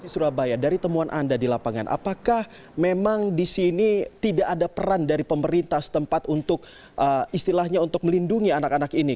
surabaya dari temuan anda di lapangan apakah memang di sini tidak ada peran dari pemerintah setempat untuk istilahnya untuk melindungi anak anak ini